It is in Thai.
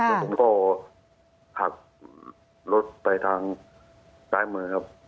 แล้วผมก็หักรถไปทางซ้ายมือครับ